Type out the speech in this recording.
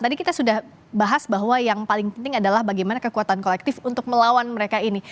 tadi kita sudah bahas bahwa yang paling penting adalah bagaimana kekuatan kolektif untuk melawan mereka ini